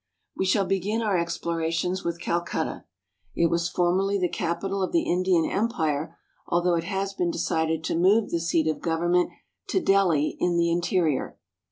We shall begin our explorations with Calcutta. It was formerly the capital of the Indian Empire, although it has been decided to move the seat of government to Delhi in the interior.